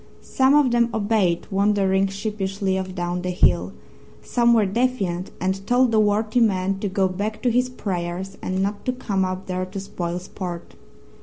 Some of them obeyed, wandering sheepishly off down the hill; some were defiant and told the worthy man to go back to his prayers and not to come up there to spoil sport.